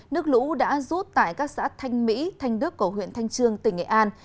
nước lũ đã rút tại các xã thanh mỹ thanh đức cổ huyện thanh trương tỉnh nghệ an